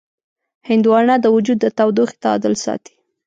هندوانه د وجود د تودوخې تعادل ساتي.